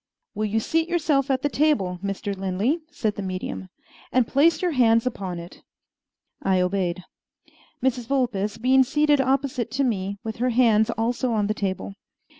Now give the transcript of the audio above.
"Will you seat yourself at the table, Mr. Lin ley," said the medium, "and place your hands upon it?" I obeyed, Mrs. Vulpes being seated opposite to me, with her hands also on the table.